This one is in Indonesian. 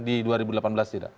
di dua ribu delapan belas tidak